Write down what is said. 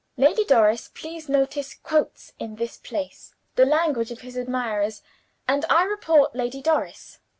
(Lady Doris, please notice, quotes in this place the language of his admirers; and I report Lady Doris.)